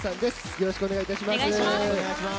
よろしくお願いします。